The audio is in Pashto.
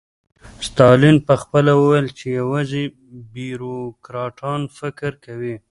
ستالین پخپله ویل چې یوازې بیروکراټان فکر کوي